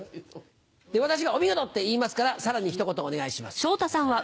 私がお見事って言いますから、さらにひと言お願いします。